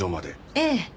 ええ。